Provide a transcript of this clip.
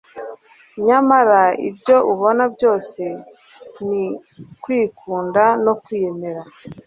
nyamara ibyo ubona byose ni kwikunda no kwiyemera